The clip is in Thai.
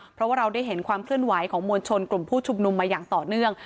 เพราะว่าเราได้เห็นความเคลื่อนไหวของมวลชนกลุ่มผู้ชุมนุมมาอย่างต่อเนื่อง